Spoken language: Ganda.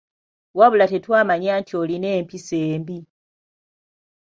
Wabula tetwamanya nti olina empisa embi.